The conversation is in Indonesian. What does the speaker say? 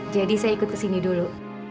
saya ikut kesini dulu